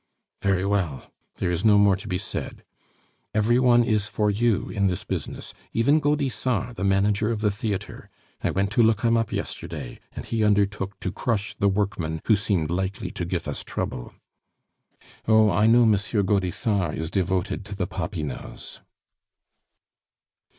"Very well. There is no more to be said. Every one is for you in this business, even Gaudissart, the manager of the theatre. I went to look him up yesterday, and he undertook to crush the workman who seemed likely to give us trouble." "Oh, I know M. Gaudissart is devoted to the Popinots."